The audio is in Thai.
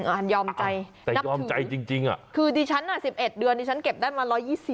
อ่ะยอมใจนับถือคือดิฉัน๑๑เดือนดิฉันเก็บได้มา๑๒๐